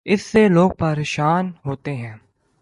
اس سے لوگ پریشان اور مضطرب ہوتے ہیں۔